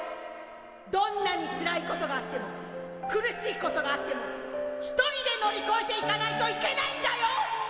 どんなにつらいことがあっても苦しいことがあっても一人で乗りこえていかないといけないんだよ！